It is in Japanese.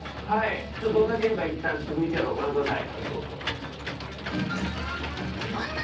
どんなゲームか、一旦ＶＴＲ御覧ください。